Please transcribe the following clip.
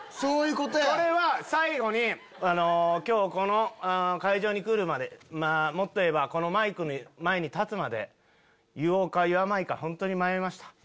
これは最後に「今日この会場に来るまでもっと言えばこのマイクの前に立つまで言おうか言わまいか本当に迷いました。